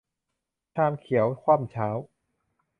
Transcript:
ชามเขียวคว่ำเช้า